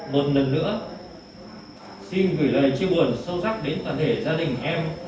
một lần nữa xin gửi lời chiêu buồn sâu sắc đến toàn thể gia đình em